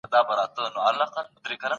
شمع دي وي، له امتحانه پر شا نه راځمه